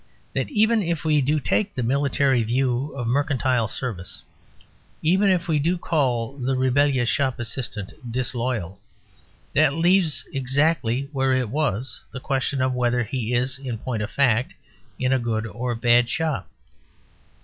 That even if we do take the military view of mercantile service, even if we do call the rebellious shop assistant "disloyal" that leaves exactly where it was the question of whether he is, in point of fact, in a good or bad shop.